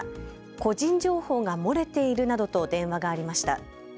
個人情報が漏れているなどと電話がありました。